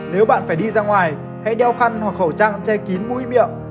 nếu bạn phải đi ra ngoài hãy đeo khăn hoặc khẩu trang che kín mũi miệng